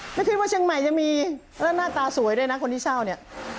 ไม่คิดว่าเชียงใหม่จะมีแล้วหน้าตาสวยด้วยนะคนที่เช่าเนี่ย